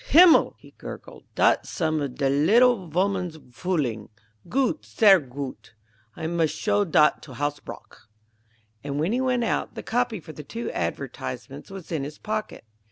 "Himmel!" he gurgled; "dot's some of de liddle voman's fooling. Goot, sehr goot! I mus' show dot to Hasbrouck." And when he went out, the copy for the two advertisements was in his pocket.